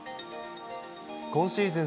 今シーズン